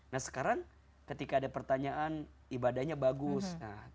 nah sekarang ketika ada pertanyaan ibadahnya bagus